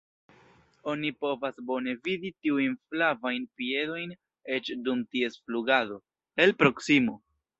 Oni povas bone vidi tiujn flavajn piedojn eĉ dum ties flugado, el proksimo.